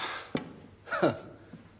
ハッ。